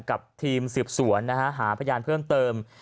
กับทีมศึกษวนหาพยานเพิ่มเติม